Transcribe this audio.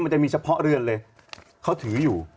มันจะมีเฉพาะเรือนเลยเขาถืออยู่